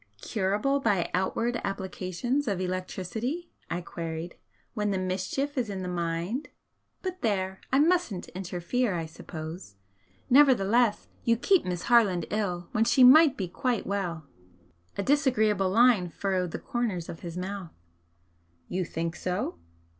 "Curable by outward applications of electricity?" I queried "When the mischief is in the mind? But there! I mustn't interfere, I suppose! Nevertheless you keep Miss Harland ill when she might be quite well." A disagreeable line furrowed the corners of his mouth. "You think so?